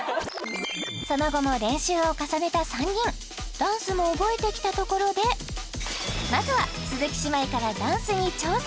その後も練習を重ねた３人ダンスも覚えてきたところでまずは鈴木姉妹からダンスに挑戦！